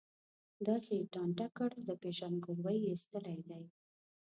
داسې یې ټانټه کړ، له پېژندګلوۍ یې ایستلی دی.